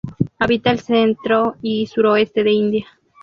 Habita al centro y suroeste de India.